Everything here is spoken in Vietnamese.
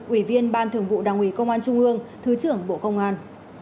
ủy viên ban thường vụ đảng ủy công an trung ương thứ trưởng bộ công an